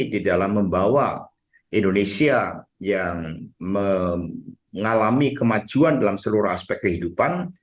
di dalam membawa indonesia yang mengalami kemajuan dalam seluruh aspek kehidupan